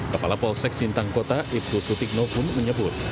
kepala polsek sintang kota ibtu sutikno pun menyebut